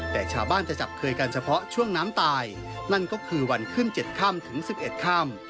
แต่ชาวบ้านจะจับเคยกันเฉพาะช่วงน้ำตายนั่นก็คือวันขึ้น๗ค่ำถึง๑๑ค่ำ